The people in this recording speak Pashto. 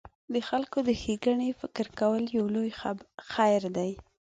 د خلکو د ښېګڼې فکر کول یو لوی خیر دی.